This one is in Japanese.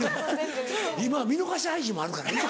今は見逃し配信もあるからね。